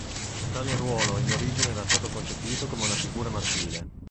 Tale ruolo in origine era stato concepito come una figura maschile.